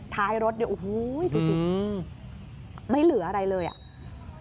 ท้ายรถเนี่ยโอ้โหดูสิไม่เหลืออะไรเลยอ่ะ